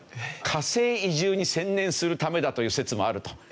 火星移住に専念するためだという説もあると。